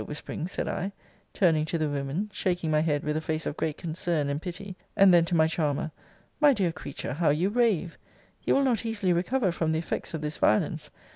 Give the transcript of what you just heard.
whispering said I, turning to the women; shaking my head with a face of great concern and pity; and then to my charmer, My dear creature, how you rave! You will not easily recover from the effects of this violence.